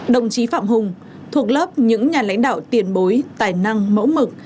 đồng chí phạm hùng thuộc lớp những nhà lãnh đạo tiền bối tài năng mẫu mực